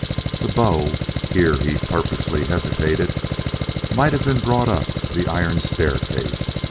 The bow" here he purposely hesitated "might have been brought up the iron staircase.